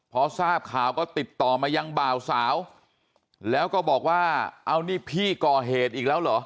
พอทราบข่าวก็ติดต่อมายังบ่าวสาวแล้วก็บอกว่าเอานี่พี่ก่อเหตุอีกแล้วเหรอ